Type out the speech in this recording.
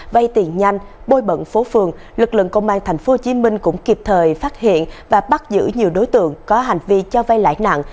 vay tiền nhanh bôi bận phố phường lực lượng công an tp hcm cũng kịp thời phát hiện và bắt giữ nhiều đối tượng có hành vi cho vay lãi nặng